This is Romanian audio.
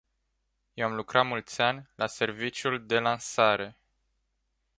Eu am lucrat mulți ani la serviciul de lansare.